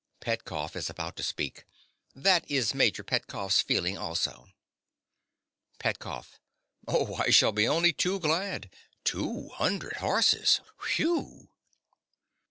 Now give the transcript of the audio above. (Petkoff is about to speak.) That is Major Petkoff's feeling also. PETKOFF. Oh, I shall be only too glad. Two hundred horses! Whew!